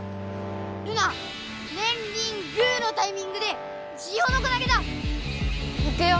ルナねんリングーのタイミングでジオノコなげだ！いくよ！